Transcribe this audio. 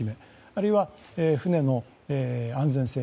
あるいは、船の安全性。